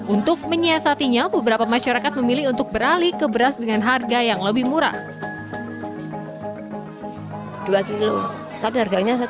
untuk menyiasatinya beberapa masyarakat memilih untuk beralih ke beras dengan harga yang lebih murah